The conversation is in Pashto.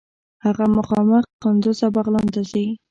هغه مخامخ قندوز او بغلان ته ځي.